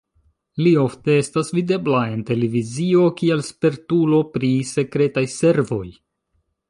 Li ofte estas videbla en televizio kiel spertulo pri sekretaj servoj.